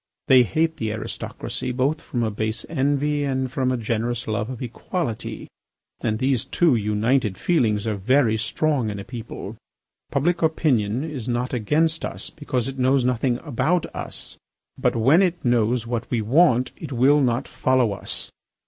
They hate the aristocracy both from a base envy and from a generous love of equality. And these two united feelings are very strong in a people. Public opinion is not against us, because it knows nothing about us. But when it knows what we want it will not follow us.